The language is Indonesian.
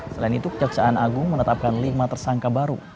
selain itu kejaksaan agung menetapkan lima tersangka baru